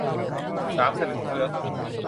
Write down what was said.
สามสลึงเฟื้อง